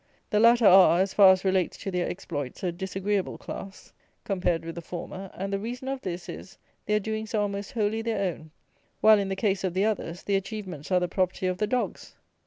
The latter are, as far as relates to their exploits, a disagreeable class, compared with the former; and the reason of this is, their doings are almost wholly their own; while, in the case of the others, the achievements are the property of the dogs.